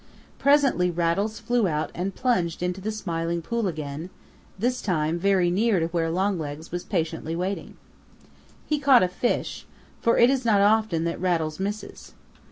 Presently Rattles flew out and plunged into the Smiling Pool again, this time, very near to where Longlegs was patiently waiting. He caught a fish, for it is not often that Rattles misses.